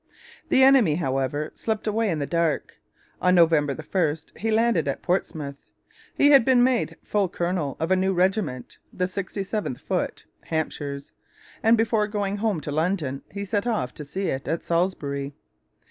The enemy, however, slipped away in the dark. On November 1 he landed at Portsmouth. He had been made full colonel of a new regiment, the 67th Foot (Hampshires), and before going home to London he set off to see it at Salisbury.